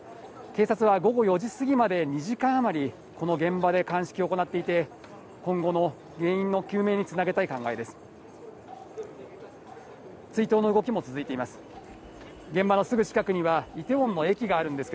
警察は午後４時過ぎまで２時間余り、この現場で鑑識を行っていて、今後の原因の究明につなげたい考えです。